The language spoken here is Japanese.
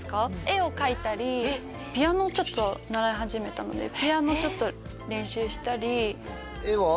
絵を描いたりピアノをちょっと習い始めたのでピアノちょっと練習したり絵は？